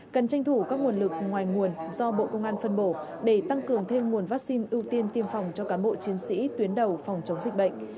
cần tranh thủ các nguồn lực ngoài nguồn do bộ công an phân bổ để tăng cường thêm nguồn vaccine ưu tiên tiêm phòng cho cán bộ chiến sĩ tuyến đầu phòng chống dịch bệnh